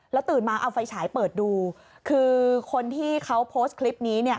ตื่นมาเอาไฟฉายเปิดดูคือคนที่เขาโพสต์คลิปนี้เนี่ย